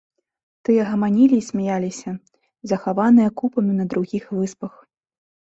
Тыя гаманілі і смяяліся, захаваныя купамі на другіх выспах.